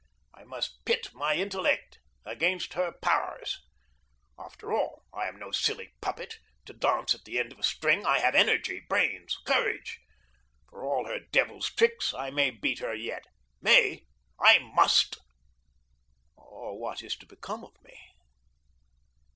I must pit my intellect against her powers. After all, I am no silly puppet, to dance at the end of a string. I have energy, brains, courage. For all her devil's tricks I may beat her yet. May! I MUST, or what is to become of me?